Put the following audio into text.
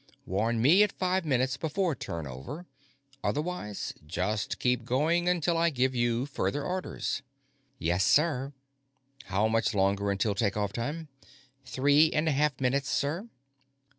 Warn me at five minutes before turnover; otherwise, just keep going until I give you further orders." "Yes, sir." "How much longer until take off time?" "Three and a half minutes, sir."